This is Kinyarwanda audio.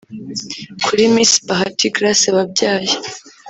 Kuri Miss Bahati Grace wabyaye